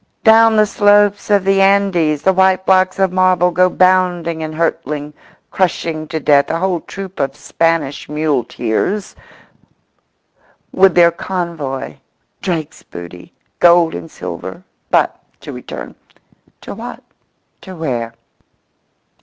Down the slopes of the Andes the white blocks of marble go bounding and hurtling, crushing to death a whole troop of Spanish muleteers, with their convoy—Drake's booty, gold and silver. But to return——To what, to where?